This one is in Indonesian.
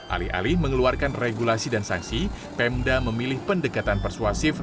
alih alih mengeluarkan regulasi dan sanksi pemda memilih pendekatan persuasif